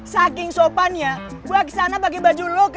saking sopannya gue kesana pake baju lo kak